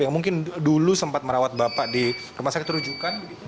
yang mungkin dulu sempat merawat bapak di rumah sakit rujukan